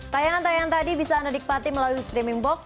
tayangan tayangan tadi bisa anda nikmati melalui streaming box